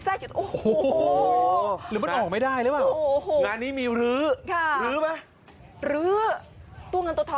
ใต้รถหรอหรืออะไรเนี่ยเรื่องยนต์หรออ๋อ